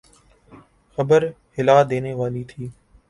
خبر ہلا دینے والی تھی۔